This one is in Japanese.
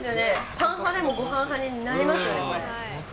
パン派でもごはん派になりますよね、これ。